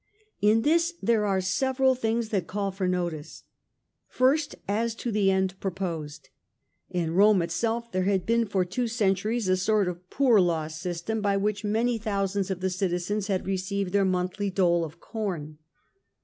In this there are several things that call for notice. First as to the end proposed. In Rome itself there had been for two centuries a sort of poor law' system^ by 97 117 Trajan , 19 which many thousands of the citizens had received their monthly dole of corn.